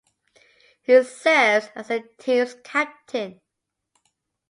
He serves as the team's captain.